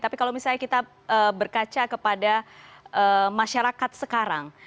tapi kalau misalnya kita berkaca kepada masyarakat sekarang